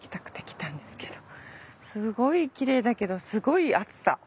すごいきれいだけどすごい暑さ。